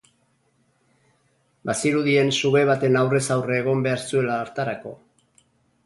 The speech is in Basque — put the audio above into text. Bazirudien suge baten aurrez aurre egon behar zuela hartarako.